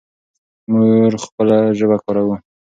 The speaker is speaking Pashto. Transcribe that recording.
موږ خپله ژبه کاروو.